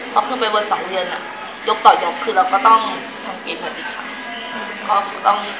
พอขึ้นไปบนสองเรือนเนี่ยยกต่อยกคือเราก็ต้องทำเกณฑ์กันอีกครั้ง